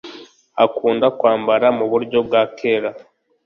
Akunda kwambara muburyo bwa kera